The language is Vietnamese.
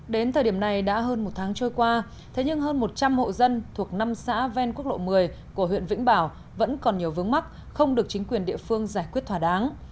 đến thời điểm này đã hơn một tháng trôi qua thế nhưng hơn một trăm linh hộ dân thuộc năm xã ven quốc lộ một mươi của huyện vĩnh bảo vẫn còn nhiều vướng mắt không được chính quyền địa phương giải quyết thỏa đáng